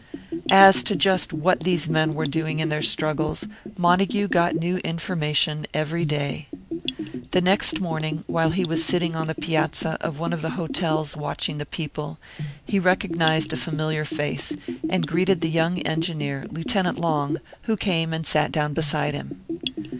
As to just what these men were doing in their struggles, Montague got new information every day. The next morning, while he was sitting on the piazza of one of the hotels watching the people, he recognised a familiar face, and greeted the young engineer, Lieutenant Long, who came and sat down beside him.